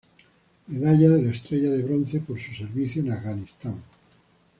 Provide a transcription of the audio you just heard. Medalla de la Estrella de Bronce por su servicio en Afganistán.